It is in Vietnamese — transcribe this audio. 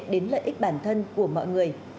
đến lợi ích bản thân của mọi người